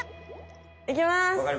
いきます！